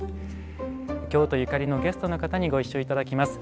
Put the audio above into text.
京都ゆかりのゲストの方にご一緒頂きます。